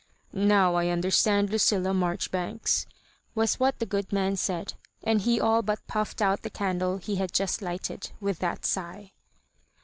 .^* K<Ho I understand Lucilla Marjoribanks," was what the good man said, and he all but puffed out the candle he had just lighted, with that sigh.